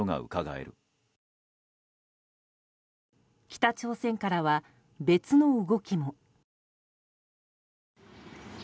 北朝鮮からは別の動きも。